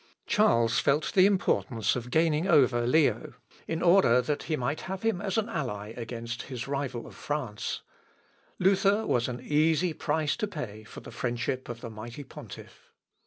Charles felt the importance of gaining over Leo, in order that he might have him as an ally against his rival of France. Luther was an easy price to pay for the friendship of the mighty pontiff. Guicciardini, p. 175. Dumont Corp. Dipl. t.